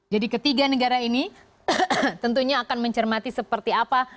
jadi ketiga negara ini tentunya akan mencermati seperti apa